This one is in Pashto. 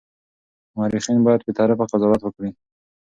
مورخین باید بېطرفه قضاوت وکړي.